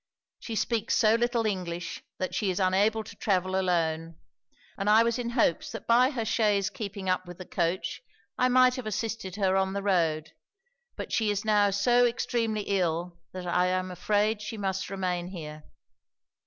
She speaks so little English that she is unable to travel alone; and I was in hopes that by her chaise keeping up with the coach, I might have assisted her on the road; but she is now so extremely ill that I am afraid she must remain here.'